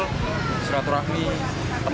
selain suratu rahmi temukan dengan teman teman